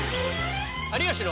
「有吉の」。